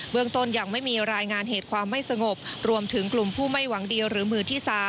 เมืองต้นยังไม่มีรายงานเหตุความไม่สงบรวมถึงกลุ่มผู้ไม่หวังเดียวหรือมือที่๓